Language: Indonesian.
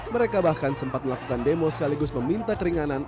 mereka bahkan sempat melakukan demo sekaligus meminta keringanan